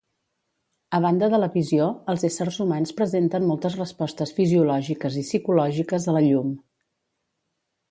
A banda de la visió, els éssers humans presenten moltes respostes fisiològiques i psicològiques a la llum.